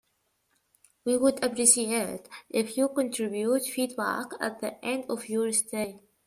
We would appreciate if you contribute feedback at the end of your stay.